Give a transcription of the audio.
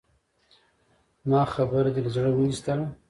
زما خبره دې له زړه اوېستله؟